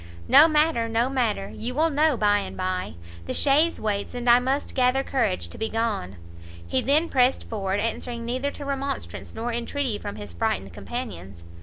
"No matter, no matter, you will know by and by; the chaise waits, and I must gather courage to be gone." He then pressed forward, answering neither to remonstrance nor intreaty from his frightened companions.